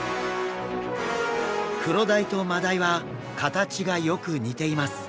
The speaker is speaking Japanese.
クロダイとマダイは形がよく似ています。